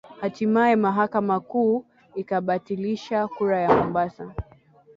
hatimaye mahakama kuu ikabatilisha kura ya Mombasa